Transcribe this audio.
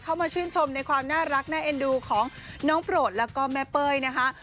เข้ามาชื่นชมในความน่ารักน่าเอ็นดูของน้องโปรดแล้วก็แม่เป้ยนะคะ